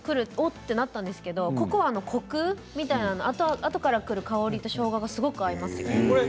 となったんですがココアのコクみたいなのはあとからくる香りとしょうがが、すごく合います。